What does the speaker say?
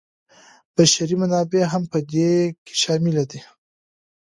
بشري منابع هم په دې کې شامل دي.